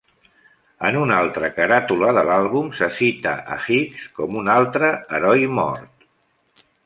En una altra caràtula de l'àlbum se cita a Hicks com "un altre heroi mort".